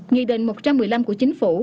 nghị định một trăm một mươi năm của chính phủ